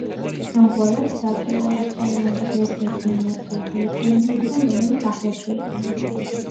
ამგვარად, საკეო არის ტაილანდის ერთ-ერთი იმ ოთხი ახალი პროვინციიდან, რომელიც ახლად შეიქმნა.